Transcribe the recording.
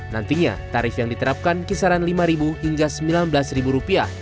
nantinya tarif yang diterapkan kisaran lima hingga sembilan belas rupiah